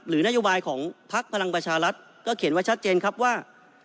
นโยบายของพักพลังประชารัฐก็เขียนไว้ชัดเจนครับว่า